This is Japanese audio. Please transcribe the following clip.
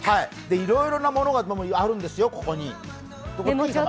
いろいろなものがあるんですよ、ここに。